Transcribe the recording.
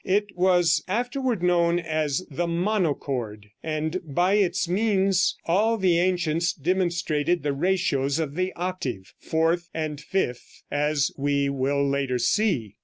It was afterward known as the "monochord," and by its means all the ancients demonstrated the ratios of the octave, fourth and fifth, as we will later see.